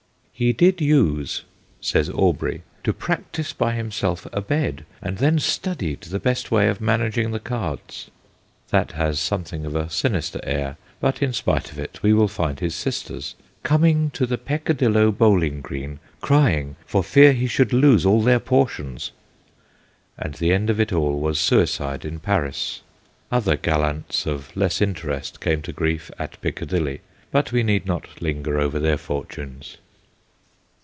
' He did use/ says Aubrey, ' to practise by himselfe a bed, and then studyed the best way of managing the cards/ That has something of a sinister air, but in spite of it we find his sisters 'comeing to the Peccadillo bowling green crying, for feare he should lose all their portions/ and the end of it all was suicide in Paris. Other gallants of less interest came to grief 'at Piccadilly/ but we need not linger over their fortunes.